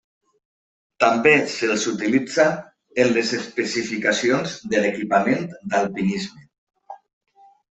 També se'ls utilitza en les especificacions de l'equipament d'alpinisme.